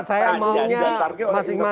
dan jangan target oleh